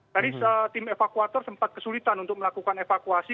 tadi tim evakuator sempat kesulitan untuk melakukan evakuasi